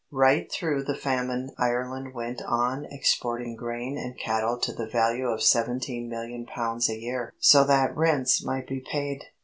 Right through the Famine Ireland went on exporting grain and cattle to the value of seventeen million pounds a year so that rents might be paid.